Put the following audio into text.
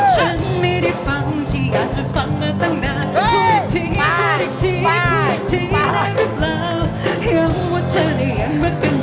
ฉันไม่ได้ฟังฉันอยากจะฟังมาตลอด